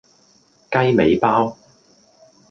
雞尾包